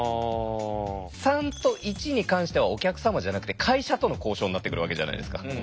３と１に関してはお客様じゃなくて会社との交渉になってくるわけじゃないですか。